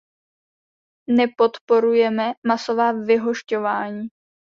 Nepodporujeme masová vyhošťování.